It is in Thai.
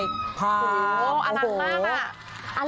โอ้โหอลังกาลมากอะ